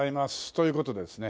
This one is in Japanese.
という事でですね